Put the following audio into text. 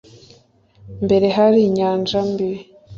Mbere hari inyanja mbi